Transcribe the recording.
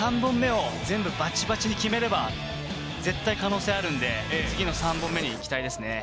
全部バチバチに決めれば絶対可能性があるので、次の３本目に行きたいですね。